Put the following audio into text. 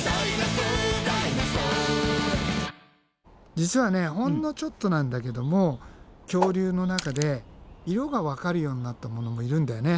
実はほんのちょっとなんだけども恐竜の中で色がわかるようになったものもいるんだよね。